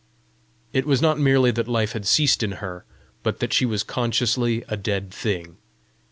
It was not merely that life had ceased in her, but that she was consciously a dead thing.